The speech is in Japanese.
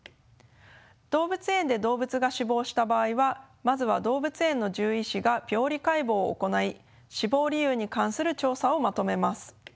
動物園で動物が死亡した場合はまずは動物園の獣医師が病理解剖を行い死亡理由に関する調査をまとめます。